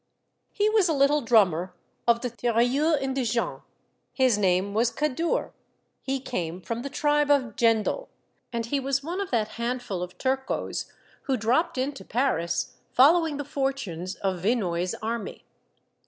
He was a little drummer of the tirailleurs indi genes} His name was Kadour, he came from the tribe of Djendel, and he was one of that handful of turcos who dropped into Paris, following the fortunes of Vinoy's army.